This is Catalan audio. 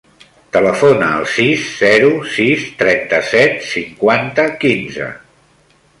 Telefona al sis, zero, sis, trenta-set, cinquanta, quinze.